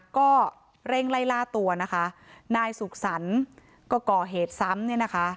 ก็เร่งไล่ล่าตัวนะคะนายสุขสรรค์ก็ก่อเหตุซ้ำเนี่ยนะคะ